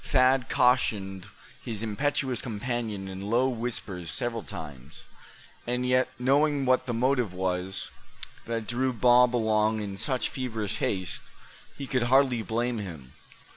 Thad cautioned his impetuous companion in low whispers several times; and yet, knowing what the motive was that drew Bob along in such feverish haste, he could hardly blame him.